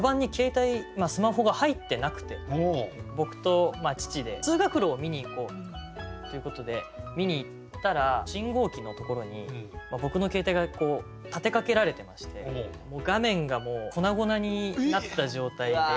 僕と父で通学路を見に行こうということで見に行ったら信号機のところに僕の携帯が立てかけられてまして画面がもう粉々になった状態で。